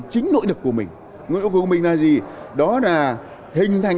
chính nội lực của mình nội lực của mình là gì đó là hình thành